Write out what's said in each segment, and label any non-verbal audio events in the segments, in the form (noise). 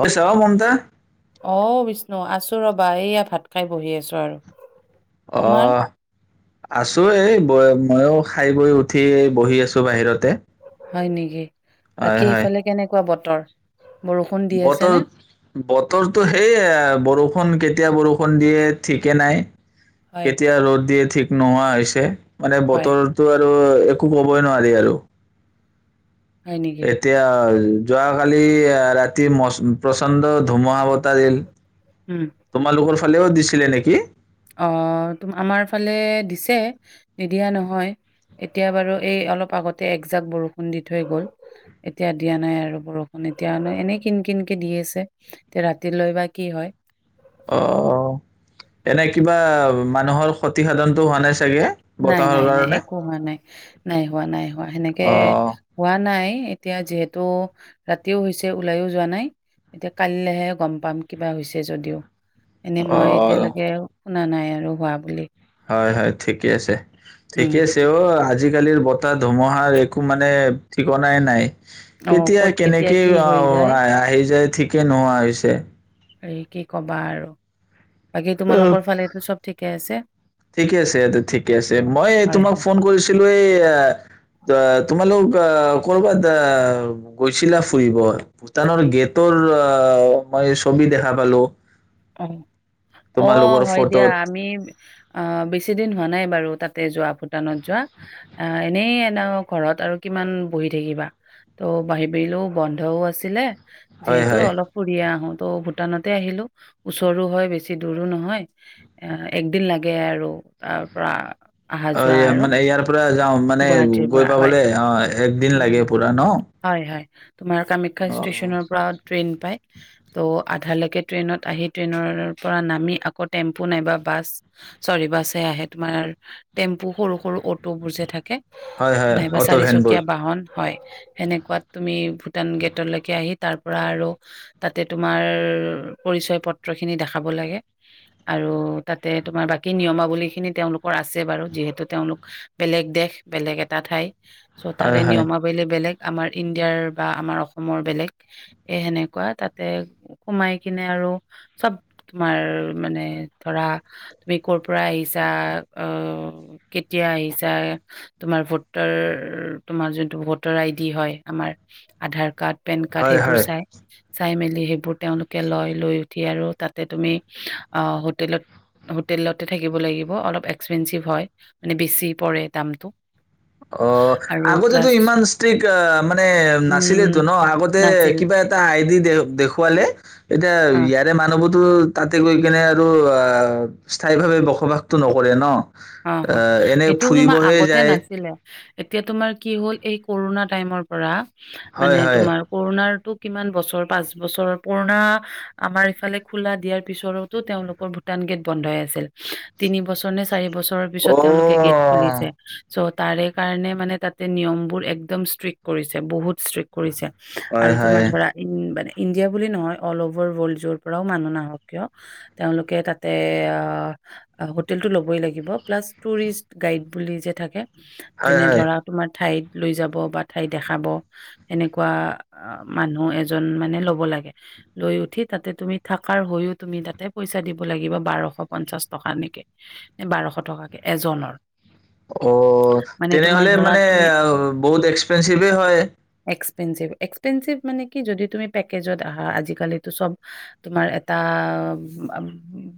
অ চাও মনতা অ' বিষ্ণু আছোঁ, ৰবা। এইয়া ভাত খাই বহি আছোঁ আৰু। তোমাৰ? অহ। আছোঁ এ, ব মইও খাই বৈ উঠি বহি আছোঁ বাহিৰতে। হয় নেকি? হয় বাকী হয় সফালে কেনেকুৱা বতৰ? তৰ বতৰ বতৰটো সেইয়ে বৰষুণ কেতি তিয়া বৰষুণ দিয়ে ঠিকে নাই। হয়, কেতিয়া ৰ'দ দিয়ে ঠিক নোহোৱা হৈছে। মানে হয়। বতৰটো আৰু একো ক'বই নোৱাৰি আৰু। হয় নেকি? এতিয়া যোৱাকালি এ ৰাতি টি প্ৰচণ্ড ধুমহা বতাহ দিল। উম, তোমালোকৰ ফাললেও দিছিলে নেকি? অ', ত আমাৰ ফালে দিছে নিদিয়া নাই নহয় এতিয়া বাৰু, এই অলপ আগতে এজাক বৰষুণ দি থৈ গ'ল। এতিয়া দিয়া নাই আৰু, বৰষুণ এতিয়া এনেই কিন কিনকৈ দি আছে। এতিয়া ৰাতিলৈ বা কি হয়। অ', এনে কিবা মানুহৰ ক্ষতিসাধনতো হোৱা নাই চাগে নাই বতাহৰ নাই নাই, কাৰণে একো হোৱা নাই। নাই হোৱা নাই, হোৱা সেনেকে অ', হোৱা নাই। এতিয়া যিহেতু ৰাতিও হৈছে, ওলাইও যোৱা নাই। এতিয়া কাইলৈহে গম পাম কিবা হৈছে যদিও। এনেই মই অ', এতিয়ালৈকে শুনা নাই আৰু, হোৱা বুলি। হয় হয় ঠিকে আছে। উম, ঠিকে আছে অ', আজি আজিকালিৰ বতাহ ধুমুহাৰ একো, মানে ঠিকনাই নাই। অ', কেতিয়া ক'ত কেতিয়া কেনেকে, কি আহ হৈ যায় আহ আহি যায় ঠিকে নোহোৱা হৈছে। হেৰি কি ক'বা আৰু। বাকী অ', তোমালোকৰ ফালেটো চব ঠিকে আছে? ঠিকে আছে, ঠিকে আছে। অ', মই হয়, তোমাক হয়। ফোন কৰিছিলোঁ এই তোমালোকক লোক ক'ৰবাত এ গৈছিলা ফুৰিব, ভূটানৰ গেটৰ অ', মই ছবি দেখা পালো। অ, অ, তোমালোকৰ হয় দিয়া ফটোত, আমি বেছিদিন হোৱা নাই বাৰু, তাতে যোৱা ভূটানত যোৱা। এনেই এ ঘৰত আৰু কিমান বহি থাকিবা? ত বাহি বেহিলো বন্ধও আছিলে। হয়, যিহেতু হয়। অলপ ফুৰিয়ে আহো তো ভূটানতে আহিলো। ওচৰো হয় বেছি দূৰো নহয়, এ একদিন লাগে আৰু তাৰ পৰা। অহা অ যোৱা আৰু মানে, ইয়াৰ পৰা যাও মানে, গুৱাহাটীৰ গৈ পৰা হয় পাবলে অ একদিন লাগে উম পুৰা ন? হয়, হয়। তোমাৰ কামাখ্যা অ ষ্টেচনৰ পৰা ট্ৰেইন পায়। ত' আধালৈকে ট্ৰেইনত আহি, ট্ৰেইনৰ পৰা নামি আকৌ টেম্পু নাইবা বাছ, চৰি বাছহে আহে তোমাৰ টেম্পু সৰু সৰু অটোবোৰ যে থাকে। হয় হয়, নাইবা অট ভেন বোৰ। চাৰিচকীয়া বাহন হয়, সেনেকুৱাত তুমি ভূটান গেটলৈকে আহি তাৰ পৰা আৰু তাতে তোমাৰ, পৰিচয় পত্ৰ খিনি দেখাব লাগে। আৰু তাতে তোমাৰ বাকী নিয়মাৱলী খিনি তেওঁলোকৰ আছে বাৰু যিহেতু তেওঁলোক বেলেগ দেশ বেলেগ এটা ঠাই। চ, হয় তাৰে হয় নিয়মাবেলি বেলেগ। আমাৰ ইণ্ডিয়াৰ বা আমাৰ অসমৰ বেলেগ, এ সেনেকুৱা তাতে সোমাই কিনে আৰু চব তোমাৰ মানে, ধৰা- তুমি ক'ৰ পৰা আহিছা, অ কেতিয়া আহিছা, তোমাৰ ভোটৰ তোমাৰ যোনটো ভোটাৰ আইডি হয়, আমাৰ আধাৰ কাৰ্ড। পেন কাৰ্ড হয় সেইবোৰ হয় চাই। চাই মেলি সেইবোৰ তেওঁলোকে লয়, লৈ উঠি আৰু তাতে তুমি অ হোটেলত হোটেলতে থাকিব লাগিব। অলপ এক্সপেঞ্চিভ হয়, মানে বেছি পৰে দামটো। অ আৰু আগতেটো প্লাছ ইমান ষ্ট্ৰিক্ট মানে উম, নাছিলেটো ন? আগতে নাছিল। কিবা এটা আইডি দে-দেখুৱালে এতিয়া, অ। ইয়াৰে মানুহবোৰত টো তাতে গৈ কিনে আৰু অস্থায়ী ভাৱে বসবাসটো নকৰে ন? অ এ অ, এনে সেইটো তোমাৰ ফুৰিবহে আগতে যায় নাছিলে। এতিয়া তোমাৰ কি হ'ল, এই কৰোণা টাইমৰ পৰা হয় মানে হয় তোমাৰ, কৰোণাৰ তো কিমান বছৰ? পাঁচ বছৰ পুৰণা আমাৰ ইফালে খোলা দিয়াৰ পিছতো তেওঁলোকৰ ভূটান গেট বন্ধই আছিল। তিন বছৰ নে চা চাৰি বছৰ ৰ অ পিছত তেওঁলোকে গেট খুলিছে, চ' তাৰে কাৰণে মানে তাতে নিয়মবোৰ একদম ষ্ট্ৰিক্ট কৰিছে, বহুত ষ্ট্ৰিক্ট কৰিছে। হয় আৰু হয় তোমাৰ ধৰা, উম মানে ইণ্ডিয়া বুলি নহয়, অল অভাৰ ৱৰ্ল্ডৰ পৰাওঁ মানুহ নাহক কিয়? তেওঁলোক তাতে আ হোটেল টো লব বই লাগিব, প্লাছ টুৰিষ্ট গাইড বুলি যে থাকে। হয় যোনে হয় ধৰা তোমাৰ ঠাইত লৈ যাব বা ঠাই দেখাব, সেনেকুৱা মানুহ এজন মানে লব লাগে। লৈ উঠি তাতে তুমি থকাৰ হৈয়ো তুমি তাতে পইচা দিব লাগিব বাৰশ পঞ্চাশ টকা এনেকে। বাৰশ টকাকে, এজনৰ। অ, মানে তোমাৰ তেনেহলে ধৰা মানে তুমি বহুত এক্সপেনঞ্চিভে হয়? এক্সপেঞ্চিভ। এক্সপেঞ্চিভ মানে কি, যদি তুমি পেকেজত আহা, আজিকালিতো চব তোমাৰ এটা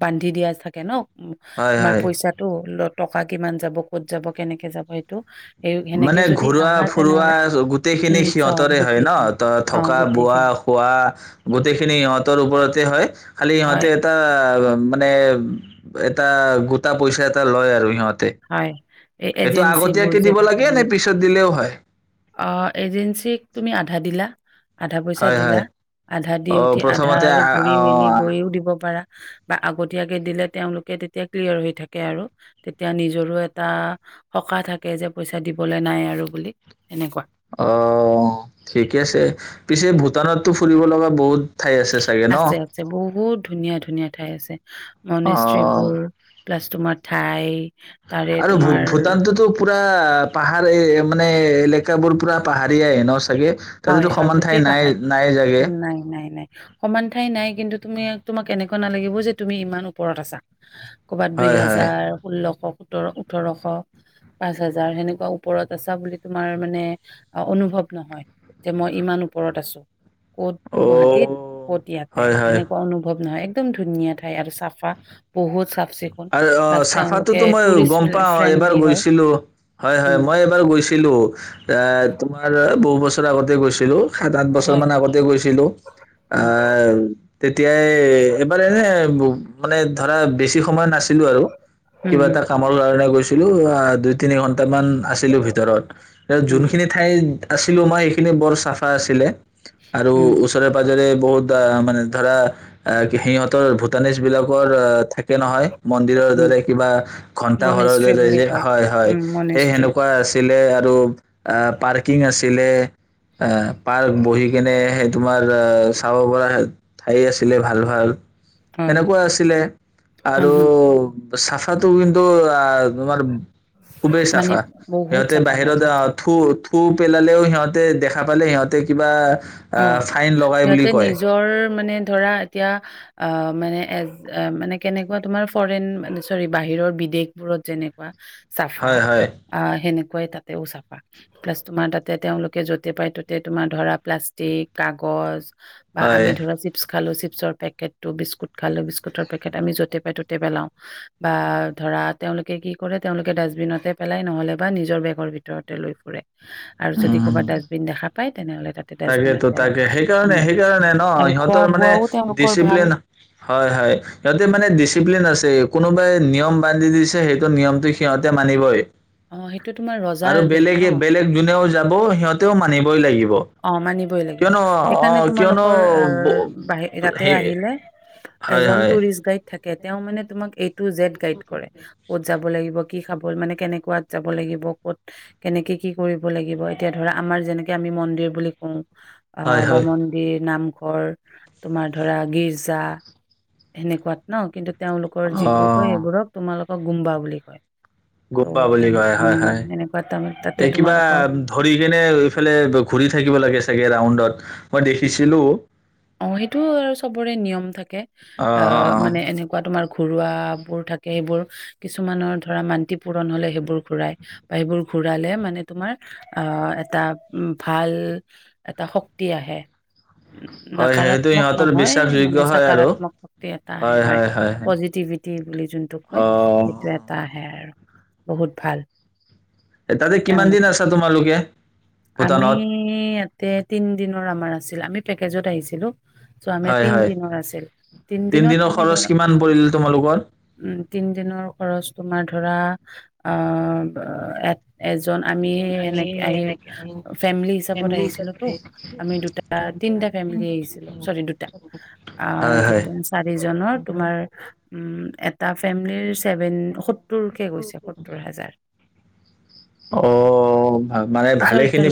বান্ধি দিয়া থাকে ন? উম হয় তোমাৰ হয়। পইছাটো লত টকা কিমান যাব ক'ত যাব কেনেকে যাব সেইটো সেই সেনেকে মানে যদি ঘৰুৱা আহা ফুৰোৱা তেনেহ'লে গোটেইখিনি উম, চব সিহঁতৰে হয় ন গোটেইখিনি। ত অ, থকা বোৱা গোটেইখিনি। খোৱা গোটেইখিনি সিহঁতৰ ওপৰতে হয় খালি হয়, ইহঁতে এটা মানে এটা গোটা পইচা এটা লয় আৰু সিহঁত হয় এই এজেঞ্চী বোৰ দিব থাকে লাগে নে পিছত দিলেও হয় অ এজেঞ্চিক তুমি আধা দিলা আধা পইচা হয় দিলা হয় আধা দি অ উঠি আধা প্ৰথমতে আৰু আ ঘূৰি অ মেলি গৈও দিব পাৰা বা আগতীয়াকে দিলে তেওঁলোকে তেতিয়া ক্লিয়াৰ হৈ থাকে আৰু এতিয়া নিজৰো এটা সকাহ থাকে যে পইচা দিবলৈ নাই আৰু বুলি সেনেকুৱা অ', ঠিকে আছে। পিছে ভূটানতটো ফুৰিব লগা বহুত ঠাই আছে চাগে ন আছে আছে বহুত ধুনীয়া ধুনীয়া ঠাই আছে অ মনেস্ত্ৰীবোৰ প্লাছ তোমাৰ ঠাই তাৰে আৰু ভূ তোমাৰ ভূটানটোতো পুৰা পাহাৰ মানে এ এলেকাবোৰ পুৰা পাহাৰিয় ন থাকে হয়, তাতেতো হয়, সমান ঠাই গোটেই নাই পাহাৰ। নাই জাগে নাই, নাই, নাই সমান ঠাই নাই কিন্তু তুমি তোমাক এনেকুৱা নালাগিব যে তুমি ইমান ওপৰত আছা উ ক'ৰবাত দুই হয় হয় হোজাৰ ষোল্লশক সোতৰ ওঠৰশ, পাঁচ হাজাৰ হেনেকুৱা ওপৰত আছা বুলি তোমাৰ মানে অ', অনুভৱ নহয়। যে মই ইমান ওপৰত আছোঁ। ক'ত অ গুৱাহাটীত ক'ত ইয়াতে হয় হয় এনেকুৱা অনুভৱ নহয় একদম ধুনীয়া ঠাই আৰু চাফা বহুত চাফ। চিকুণ আৰু অ প্লাছ তেওঁলোকে চাফাতোটো মইও টুৰিষ্ট গম পাও এবাৰ ফ্ৰেণ্ডলি হয়। গৈছিলো, হয়, হয়, উম, মই এবাৰ গৈছিলো এ, অ', তোমাৰ বহু বছৰ আগতে গৈছিলো। ছিলো, সাত আঠ বছৰ হয় মান আগতে গৈছিলো। আ উম, তিয়াই এবাৰ এনে ব মানে ধৰা বেছি স সোমোৱা নাছিলো আৰু উম, কিবা এটা কামৰ কাৰণে গৈ চিলো অ'আ, দুই তিনি ঘণ্ট মান আছিলো ভিতৰত উম, উম, যোনখিনি ঠাই আছিলো মই সেইখিন বৰ চাফা আছিলে আৰু উম, ওচৰে পাজৰে বহুত মানে ধৰা সিহঁতৰ ভূটানিচ বিলাকৰ অ থাক নহয় মন্দিৰৰ উম, দৰে, কিবা ঘন্টা ঘৰৰ মনেষ্ট্ৰী দৰে, বুলি যে কয়। হয়, হয় উম, সেই মনেষ্ট্ৰী সেনেকুৱা আছিল। (unintelligible) আৰু আহ পাৰ্কিং আছিলে, অ', পাৰ্ক বহি কেনে সেই তোমাৰ আহ চাব পৰা ঠাই আছিলে ভাল-ভাল। হয়, এনেকুৱা আছিলে। উম, আৰু হম, চাফাটো কিন্তু, আ তোমাৰ খুবেই মানে চাফা বহুত সিহঁতে চাফা বহুত বাহিৰত চাফা থু থু পেলালেও সিহঁতে দেখা পালে সিহঁতে কিবা আহ অ' ফাইন লগাই বুলি সিহঁতে কয় নিজৰ মানে ধৰা এতিয়া অ', মানে এ মানে কেনেকুৱা তোমাৰ ফৰেন চৰী বাহিৰৰ বিদেশবোৰত যেনেকুৱা চাফা হয় হয় আ সেনে হয় তাতেও চাফা প্লাছ তোমাৰ তাতে তেওঁলোকে য'তে পাই ততে তোমাৰ ধৰা প্লাছ এই কাগজ বা হয় আমি ধৰা চিপছ খালো চিপ চৰ পেকেট টো, বিস্কুট খালে, বিস্কুটৰ পেকেট আমি য'তে পাই ত'তে পেলাও। বা ধৰা তেওঁলোকে কি কৰে তেওঁলোকে ডাষ্টবিনতে পেলাই নহলে বা নিজৰ বেগৰ ভিতৰতে লৈ ফুৰে। আৰু যদি উম ক'ৰবাত ডাষ্টবিন দেখা পাই তেনেহ'লে তাতে ডাষ্টবিনত তাকেতো পেলায়। তাকে, উম। সেইকাৰণে, সেইকাৰণে ন, আৰু খোৱা সিহঁতৰ মানে বোৱাও তেওঁলোকৰ ভাল। ডিচিপ্লিন হয়, হয় সিহঁতে উম। মানে ডিচিপ্লিন আছে কোনোবাই নিয়ম বান্ধি দিছে সেইটো নিয়মটো সিহতে মানিবই অ', সেইটো তোমাৰ ৰজাৰ দেশ ন? (unintelligible) ব সিহঁতেও মানিবই লাগিব। অ মানিবই লাগিব। কিয়নো সেইকাৰণে অ' কিয়নো তোমালোকৰ ব- তাতে সেই আহিলে হয় এজন হয় টুৰিষ্ট গাইড থা কে তেওঁ মানে তোমাক এই এ টু জেট গাইড কৰে। ক'ত যাব লাগিব কি খাব, মানে কেনেকুৱাত যাব লাগিব, ক'ত কেনেকে কি কৰিব লাগিব এতিয়া ধৰা আমাৰ যেনেকে আমি মন্দিৰ বুলি কওঁ। হয় অ', বা হয় মন্দিৰ নাম তোমাৰ ধৰা গিৰ্জা সেনেকুৱাত ন, কিন্তু তেওঁলোকৰ যিবোৰ কয়, অ' সেইবোৰক তোমালোক গুম্বা বুলি কয়। ত' গুম্বা বুলি সেনে কয় হয়, উম হয় সেনেকুৱা তাৰ তাতে এই কিবা তোমালোকৰ ধৰি কেনে এইফালে ঘূৰি থাকিব লাগে চাগে ৰাউডত মই দেখিছিলো। অ', সেইটো আৰু চবৰে নিয়ম থাকে। অ মানে এনেকুৱা তোমাৰ ঘৰুৱা বোৰ থাকে, সেইবোৰ কিছুমানৰ ধৰা মান্তি পূৰণ হলে, সেইবোৰ ঘূৰাই বা সেইবোৰ ঘূৰালে মানে তোমাৰ আহ এটা ভাল এটা শক্তি আহে। হয় সেইটো নাকাৰাত্মক সিহঁতৰ নহয়, বিশ্বাসযোগ্য মানে হয় আৰু চাকাৰাত্মক শক্তি এটা আহে। হয়, পজিটিভিটি বুলি যোনটো কয়, অ' সেইটো এটা আহে আৰু। বহুত ভাল। এ, তাতে কিমান দিন তেওঁলোকে, আছা তোমালোকে আমি ভূটানত ইয়াতে তিন দিনৰ আমাৰ আছে। (unintelligible) কেজত আহিছিলোঁ। চ' আমি হয় হয় তিনদিনৰ আছিল। তিন দিনত তিনদিনৰ আমি খৰচ ধৰা কিমান উম, পৰিল তোমালোকৰ উম, তিন দিনৰ খৰচ তোমাৰ ধৰা। অঁ! অ' এজন আমি, এনেকে আহি ফেমিলি হিচাপত আহিছিলো তো, আমি দুটাত তিনিটা ফেমিলি আহিছিলোঁ। চৰি, দুটা। অ', হয় হয় দুটা চাৰিজনৰ তোমাৰ উ এটা। তাৰ ফেমিলিৰ ছেভেন সত্তৰকে গৈছে সত্তৰ হাজাৰ। অঁ! চৰি, চৰি,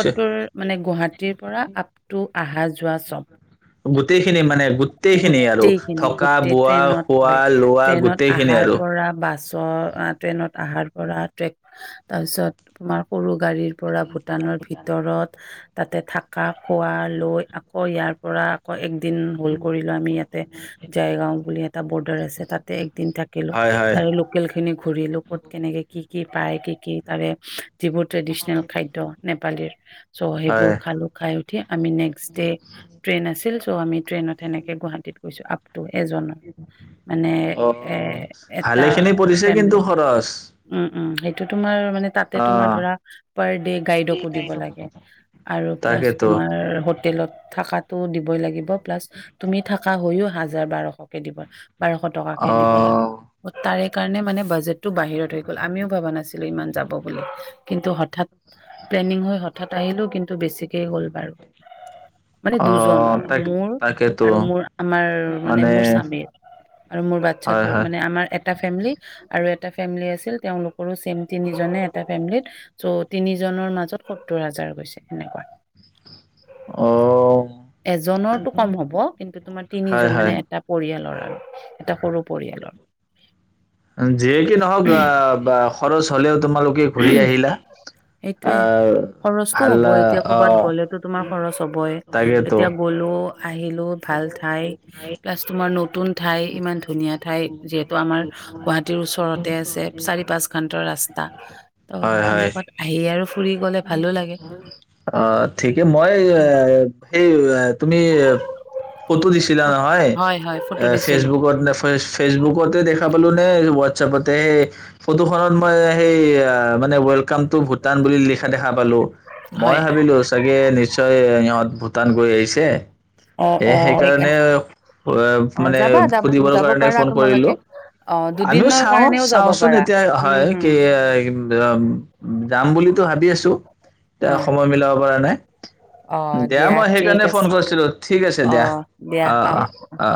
সত্তৰ মানে গুৱাহাটীৰ পৰা আপ, টু আহা-যোৱা চব। গোটেইখিনি মানে, গোত্তেইখিনি আৰু গোটেইখিনি গোটেই থকা-বোৱা ট্ৰেইনত হয় খোৱা-লোৱা গোটেইখিনি আৰু। অ', ট্ৰেইনত আহাৰ পৰা ট্ৰে, তাৰপিছত তোমাৰ সৰু গাড়ীৰ। পৰা ভূটানৰ ভিতৰত। তাতে থাকা। খোৱা লৈ আকৌ ইয়াৰ। পৰা আকৌ এক। দিন হলড্ কৰিলো আমি ইয়াতে। জাইগাঁও বুলি এটা বৰ্ডাৰ আছে, তাতে একদিন থাকিলোঁ। হয় হয় তাৰে লোকেল খিনি ঘূৰিলোঁ ক'ত কেনেকে কি কি পায় কি, কি তাৰে যিবো ট্ৰেডিচনেল খাদ্য, নেপালীৰ চ' সেইবোৰ হয় খালোঁ, খাই উঠি আমি নেক্স ডে ট্ৰেইন আছিল। চ' আমি টেইনত সেনেকে গুৱাহাটীত গৈছোঁ। এজন, মানে অ এ' এটা ভালে খিনি পৰিছে কিন্তু ফেমিলি খৰচ উ! সেইটো তোমাৰ মানে, তাতে অ তোমাৰ ধৰা পাৰ ডে, গাইডকো দিব লাগে আৰু প্লাছ তাকেতো তোমাৰ হোটেলত। থাকাতটো দিবই লাগিব, প্লাছ তুমি থাকা হৈও হাজাৰ বাৰশকে দিব বাৰশ অ টকাকে দিব লাগে। তাৰে সেইকাৰণে মানে, বাজেট তটো বাহিৰত হৈ গ'ল আমিও ভাবা নাছিলো ইমান যাব বুলি কিন্তু হঠাৎ প্লেনিং হৈ হঠাৎ আহিলো কিন্তু বেছিকে গ'ল বাৰু মানে অ দুজনৰ তাক মোৰ তাকেতো আৰু মোৰ আমাৰ মানে মোৰ স্বামীৰ আৰু মোৰ হয় বাচ্ছাটোৰ হয় মানে আমাৰ এটা ফেমিলি আৰু এ এটা ফেমিলি আছিল তেওঁলোকৰো ছেম তিনিজনে এটা ফেমিলীত চ' তিনিজনৰ মাজত সত্তৰ হাজাৰ গৈছে এনেকুৱা অ এজনৰটো কম হ'ব কিন্তু তোমাৰ তিনি জন মানে এটা পৰিয়ালৰ উ (unintelligible) উম যিয়ে কি নহওক আহ বাহ খৰচ হ'লেও তোমালোকে ঘূৰি আহিলা সেইটোয়ে আহ খৰচটো ভাল হ'ব এতিয়া কৰ'বাত আহ গ'লেতো তোমাৰ খৰচ হ'বই তাকেতো এতিয়া গ'লোও আহিলো ভাল ঠাই প্লাছ তোমাৰ নতুন ঠাই ইমান ধুনীয়া ঠাই যিহেতু আমাৰ গুৱাহাটীৰ ওচৰতে আছে চাৰি পাঁচ ঘণ্টা ৰাস্তা ত সেনেকুৱাত আহি আৰু ফুৰি গ'লে ভালো লাগে আ ঠিকে উম, মই এ উম, সেই তুমি ফটো দিছিলা ফটো হয় নাই হয় ফটো অ দিছিলো ফেচবুকত নে ফেচ ফেচবুকতে দেখা ওৱাতছাপতে ফটোখনৰ পৰা সেই মানে সেই অৱেলকাম টু ভূটান বুলি লিখা দেখা পালো মই হয় ভাবিলো চাগে নিশ্চয় ইহঁত ভূটান গৈ ছে সেইকাৰণে এ অ সেইকা সেইকাৰণে অ' মানে যাবা যাব সুধিবৰ যাব কাৰণে পাৰা ফোন কৰিলো তোমালোকে অ আমিও দুদিনৰ চাওঁ কাৰণেও যাব চাওচোন পাৰা এতিয়া উম হয় হম কি এইম বাম যাম বুলি টো হাবি আছো অ তিয়া সময় মিলাব পৰা নাই অ দিয়া মই ঠিক সেইকাৰণে আছে ফোন কৰিছিলো ঠিক আছে অ দিয়া অ অ অ